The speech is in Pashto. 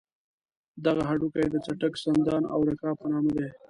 دغه هډوکي د څټک، سندان او رکاب په نامه دي.